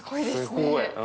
すごい。